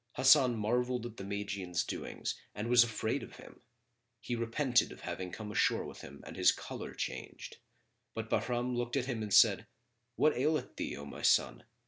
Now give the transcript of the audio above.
Hasan marvelled at the Magian's doings and was afraid of him: he repented of having come ashore with him and his colour changed. But Bahram looked at him and said, "What aileth thee, O my son?